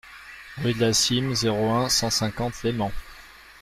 Rue de la Cîme, zéro un, cent cinquante Leyment